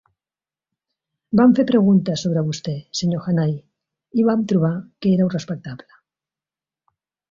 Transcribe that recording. Vam fer preguntes sobre vostè, senyor Hannay, i vam trobar que éreu respectable.